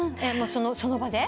その場で？